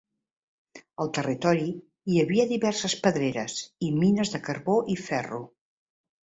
Al territori hi havia diverses pedreres, i mines de carbó i ferro.